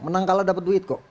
menang kalah dapat duit kok